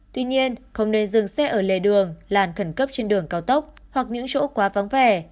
tuy nhiên không nên dừng xe ở lề đường làn khẩn cấp trên đường cao tốc hoặc những chỗ quá vắng vẻ